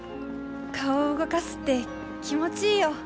顔動かすって気持ちいいよ。